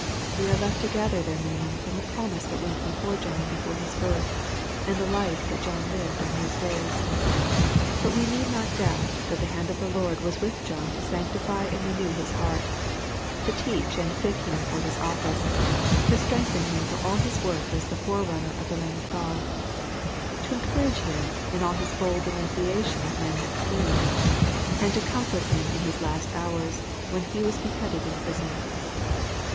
We are left to gather their meaning from the promise that went before John before his birth, and the life that John lived all his days. But we need not doubt that the hand of the Lord was with John to sanctify and renew his heart— to teach and fit him for his office — to strengthen him for all his work as the forerunner of the Lamb of God — to encourage him in all his bold denunciation of men's sins— and to comfort him in his last hours, when he was beheaded in prison.